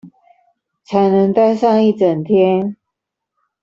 才能待上一整天